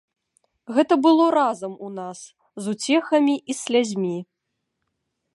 Гэта было разам у нас з уцехамі і з слязьмі.